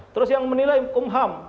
terus yang menilai kumham